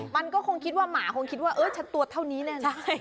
มันก็คงคิดว่าหมาคงคิดว่าเออฉันตัวเท่านี้แน่นะ